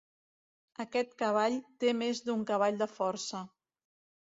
Aquest cavall té més d'un cavall de força.